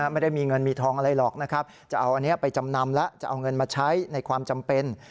ไม่ได้มีเงินมีทองอะไรหรอกนะครับจะเอาอันนี้ไปจำนำแล้วจะเอาเงินมาใช้ในความจำเป็น